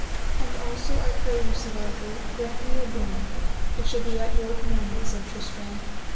And also, I pray you, said Arthur, grant me a boon. It shall be at your commandment, said Tristram.